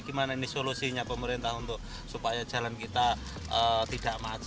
gimana ini solusinya pemerintah supaya jalan kita tidak maju